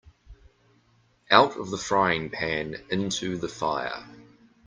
Out of the frying-pan into the fire.